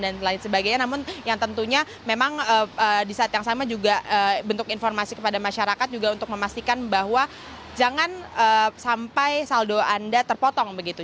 dan lain sebagainya namun yang tentunya memang di saat yang sama juga bentuk informasi kepada masyarakat juga untuk memastikan bahwa jangan sampai saldo anda terpotong begitu